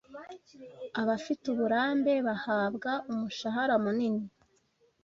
abafite uburambe bahabwa umushahara munini